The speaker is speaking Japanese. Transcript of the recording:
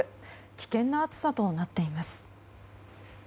危険な暑さとなっています。